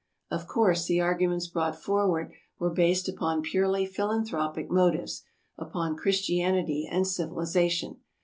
Of course, the arguments brought forward were based upon purely philanthropic motives, upon Chris tianity and civilization.